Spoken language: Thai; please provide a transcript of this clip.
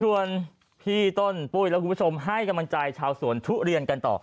ส่วนพี่ต้นปุ้ยและคุณผู้ชมให้กำลังใจชาวสวนทุเรียนกันต่อ